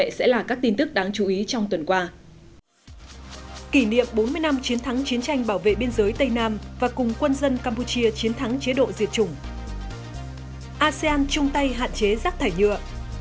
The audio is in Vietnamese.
asean trung tây hạn chế rác thải nhựa